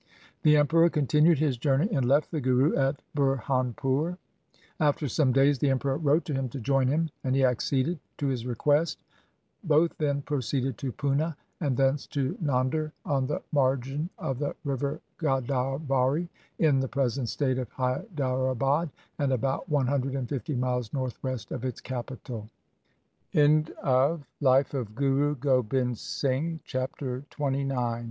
The Emperor continued his journey and left the Guru at Burhanpur. After some days the Emperor wrote to him to join him, and he acceded to his request. Both then proceeded to Puna and thence to Nander on the margin of the river Godavari in the present state of Haidarabad and about one hundred and fifty miles north west of i